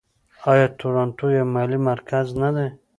آیا تورنټو یو مالي مرکز نه دی؟